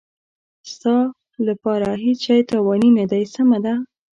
ستا لپاره هېڅ شی تاواني نه دی، سمه ده.